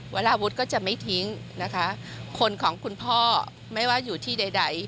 วราวุฒิก็จะไม่ทิ้งนะคะคนของคุณพ่อไม่ว่าอยู่ที่ใด